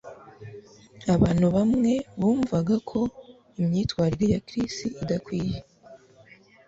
Abantu bamwe bumvaga ko imyitwarire ya Chris idakwiye